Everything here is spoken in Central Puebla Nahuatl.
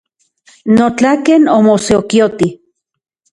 Notlaken omosokioti.